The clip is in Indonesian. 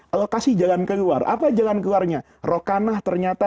apa jalan keluarnya rokanah ternyata